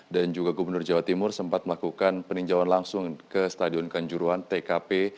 dan juga gubernur jawa timur sempat melakukan peninjauan langsung ke stadion kanjuruan tkp